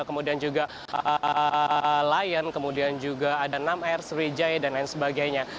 kemudian juga lion kemudian juga ada enam air sri jaya dan lain sebagainya